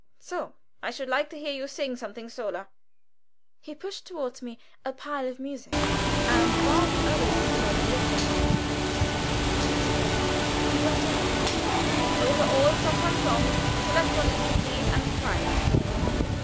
"So! I should like to hear you sing something sola." He pushed toward me a pile of music, and while the others stood looking on and whispering among themselves, he went on, "Those are all sopran songs. Select one, if you please, and try it."